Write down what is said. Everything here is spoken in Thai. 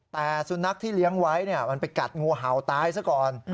แต่สุนัขที่เลี้ยงไว้มันไปกัดงูเห่าตายซะก่อน